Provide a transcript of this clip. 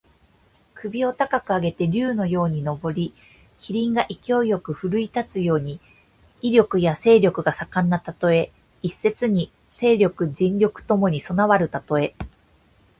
首を高く上げて竜のように上り、麒麟が勢いよく振るい立つように、威力や勢力が盛んなたとえ。一説に勢力・仁徳ともに備わるたとえ。